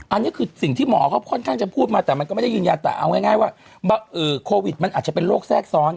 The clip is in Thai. อันนี้คือสิ่งที่หมอเขาค่อนข้างจะพูดมาแต่มันก็ไม่ได้ยืนยันแต่เอาง่ายว่าโควิดมันอาจจะเป็นโรคแทรกซ้อน